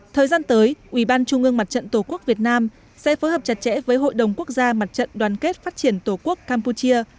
thời gian tới ủy ban trung ương mặt trận tổ quốc việt nam sẽ phối hợp chặt chẽ với hội đồng quốc gia mặt trận đoàn kết phát triển tổ quốc campuchia